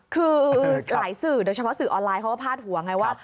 คือหลายสื่อโดยเฉพาะสื่อออนไลน์เขาก็พาดหัวไงว่า